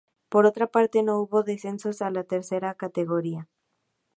Por otra parte, no hubo descensos a la Tercera categoría.